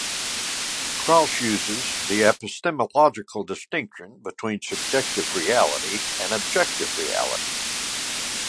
Kraus uses the epistemological distinction between subjective reality and objective reality.